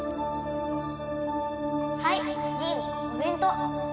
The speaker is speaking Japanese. はい陣お弁当。